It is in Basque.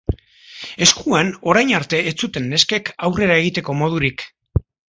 Eskuan orain arte ez zuten neskek aurrera egiteko modurik.